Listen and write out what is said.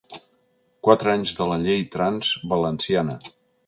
Quatre anys de la ‘llei trans’ valenciana.